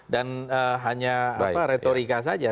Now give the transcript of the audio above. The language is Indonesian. dan hanya retorika saja